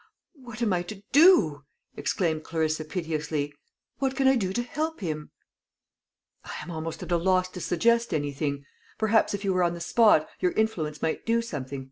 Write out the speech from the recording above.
"What am I to do!" exclaimed Clarissa piteously; "what can I do to help him?" "I am almost at a loss to suggest anything. Perhaps if you were on the spot, your influence might do something.